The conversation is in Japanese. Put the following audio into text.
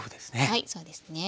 はいそうですね。